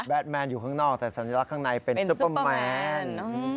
แมนอยู่ข้างนอกแต่สัญลักษณ์ข้างในเป็นซุปเปอร์แมน